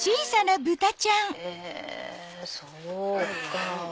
へぇそうか。